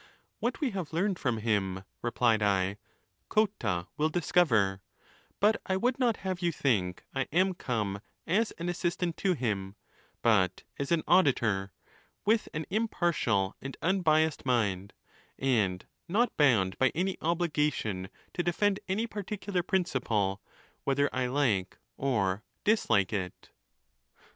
What we have learned from him, replied I, Cotta will dis cover ; but I would not have you think I am come as an assistant to him, but as an auditor, with an impartial and unbiassed mind, and not bound by any obligation to de fend any particular principle, whether I like or dislike it.